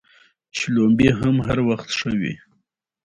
پکورې له مغز سره نه جوړېږي